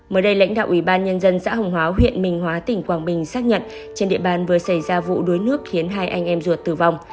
mới đây lãnh đạo ủy ban nhân dân xã hồng hóa huyện minh hóa tỉnh quảng bình xác nhận trên địa bàn vừa xảy ra vụ đuối nước khiến hai anh em ruột tử vong